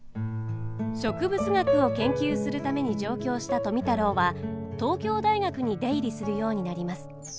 植物学を研究するために上京した富太郎は東京大学に出入りするようになります。